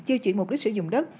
chưa chuyển mục đích sử dụng đất